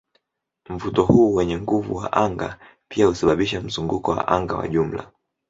Mvuto huu wenye nguvu wa anga pia husababisha mzunguko wa anga wa jumla.